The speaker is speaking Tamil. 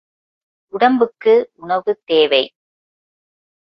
உடம்புக்கு உணவு தேவை.